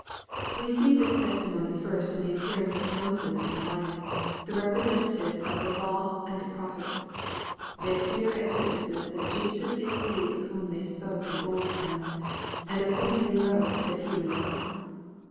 We see this testimony first in the appearance of Moses and Elias, the representatives of the law and the prophets. They appear as witnesses that Jesus is He of whom they spoke in old times, and of whom they wrote that He would come.